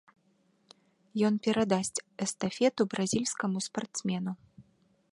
Ён перадасць эстафету бразільскаму спартсмену.